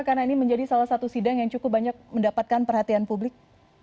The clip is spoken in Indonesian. karena ini menjadi salah satu sidang yang cukup banyak mendapatkan perhatian publik